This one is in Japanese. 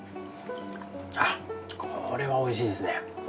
あっこれはおいしいですね。